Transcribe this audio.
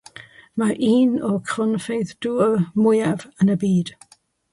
Mae'n un o'r cronfeydd dŵr mwyaf yn y byd.